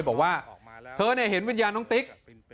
บอกว่าเธอเห็นวิญญาณน้องติ๊ก